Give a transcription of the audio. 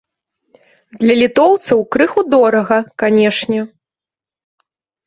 Для літоўцаў крыху дорага, канечне.